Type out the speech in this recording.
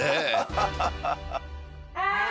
ハハハハ！